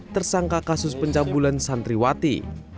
tersangka kasus pencabulan santriwati